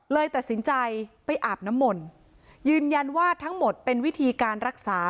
เลยตัดสินใจไปอาบน้ำมนต์ยืนยันว่าทั้งหมดเป็นวิธีการรักษา